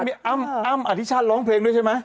อ้ำอัธิชันร้องเพลงด้วยใช่ไหม